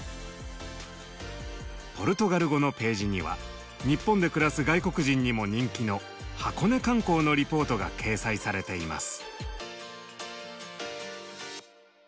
ポルトガル語のページには日本で暮らす外国人にも人気の箱根観光のリポートが掲載されています。